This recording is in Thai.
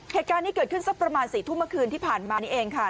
เหตุการณ์นี้เกิดขึ้นสักประมาณ๔ทุ่มเมื่อคืนที่ผ่านมานี่เองค่ะ